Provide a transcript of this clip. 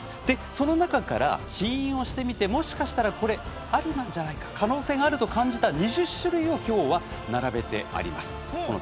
その中から試飲をしてみてもしかしたら、これありなんじゃないか可能性があると感じた２０種類を今日はこのテーブルに並べています。